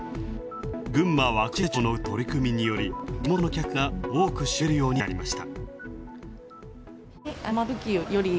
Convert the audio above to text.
群馬ワクチン手帳の取り組みにより、地元の客が多く占めるようになりました。